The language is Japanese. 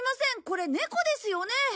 これ猫ですよね？